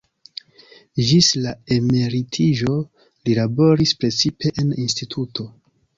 Ĝis la emeritiĝo li laboris precipe en instituto.